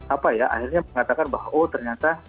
apa ya akhirnya mengatakan bahwa oh ternyata